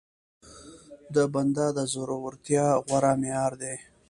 د بنده د زورورتيا غوره معيار دی.